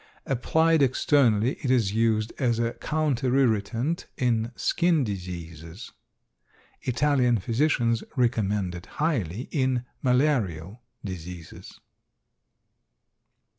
Applied externally it is used as a counterirritant in skin diseases. Italian physicians recommend it highly in malarial diseases.